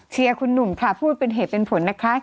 เชียร์คุณหนุ่มค่ะพูดเป็นเหตุเป็นผลนะคะ